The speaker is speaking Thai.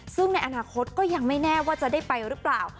ซึ่งในอนาคตก็ยังไม่แน่ว่าจะได้ไปหรือเปล่า